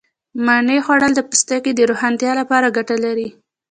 مڼې خوړل د پوستکي د روښانتیا لپاره گټه لري.